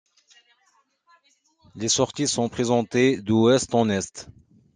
Les sorties sont présentées d'ouest en est.